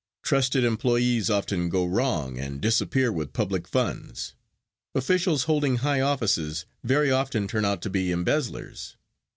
Trusted employees often go wrong and disappear with public funds. Officials holding high offices very often turn out to be embezzlers.